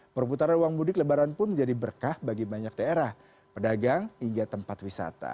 perputaran uang mudik lebaran pun menjadi berkah bagi banyak daerah pedagang hingga tempat wisata